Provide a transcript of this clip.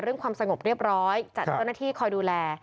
ความสงบเรียบร้อยจัดเจ้าหน้าที่คอยดูแล